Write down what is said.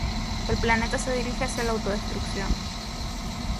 El planeta se dirige hacia la autodestruccion